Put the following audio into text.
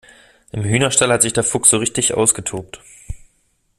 Im Hühnerstall hat sich der Fuchs so richtig ausgetobt.